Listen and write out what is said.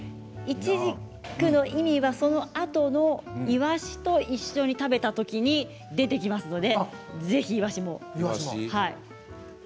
イチジクの意味はそのあとのいわしと一緒に食べた時に出てきますので、ぜひいわしも。